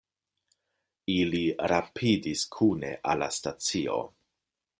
Ili rapidis kune al la stacio.